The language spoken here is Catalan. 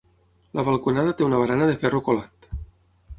La balconada té una barana de ferro colat.